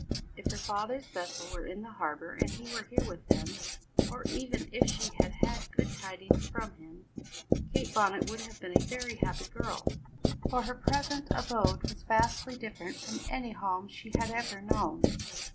If her father's vessel were in the harbour and he were here with them, or even if she had had good tidings from him, Kate Bonnet would have been a very happy girl, for her present abode was vastly different from any home she had ever known.